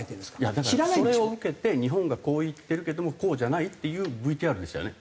だからそれを受けて日本がこう言ってるけどもこうじゃない？っていうＶＴＲでしたよね。